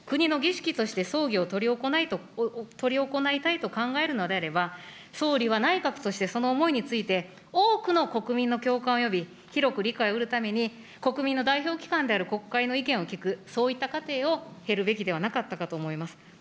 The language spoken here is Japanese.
にしても、国の儀式として葬儀を執り行いたいと考えるのであれば、総理は内閣としてその思いについて、多くの国民の共感を呼び、広く理解を得るために、国民の代表機関である国会の意見を聞く、そういった過程を経るべきではなかったかと思います。